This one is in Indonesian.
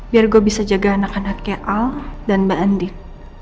biar gue bisa jaga anak anaknya al dan mbak andin